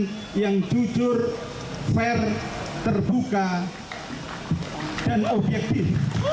presiden yang jujur fair terbuka dan objektif